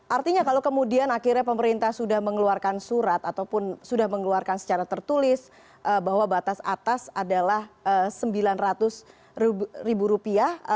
artinya kalau kemudian akhirnya pemerintah sudah mengeluarkan surat ataupun sudah mengeluarkan secara tertulis bahwa batas atas adalah sembilan ratus ribu rupiah